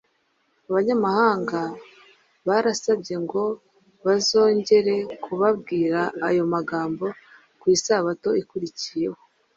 Abanyamahanga barasabye ngo bazongere kubabwira ayo magambo ku Isabato ikurikiyeho